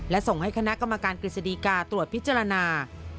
และส่งให้คณะกรรมการกฤษฎีกาตรวจพิจารณา